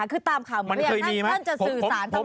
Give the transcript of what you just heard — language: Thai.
คือตามข่าวเหมือนกันท่านจะสื่อสารทั้งหมด